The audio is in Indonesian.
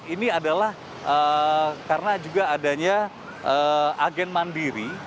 ini adalah karena juga adanya agen mandiri